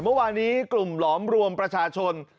เมื่อวานี้กลุ่มหลอมรวมประชาชน